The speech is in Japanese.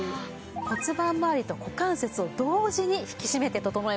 骨盤まわりと股関節を同時に引きしめて整えます。